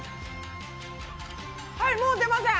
はいもう出ません。